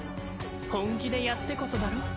本気でやってこそだろ？